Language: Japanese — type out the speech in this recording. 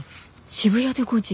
「渋谷で５時」。